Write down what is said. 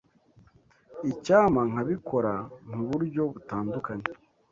Icyampa nkabikora muburyo butandukanye.